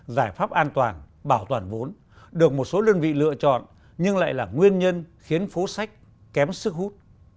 giải pháp an toàn bảo toàn vốn được một số đơn vị lựa chọn nhưng lại là nguyên nhân khiến phố sách kém sức hút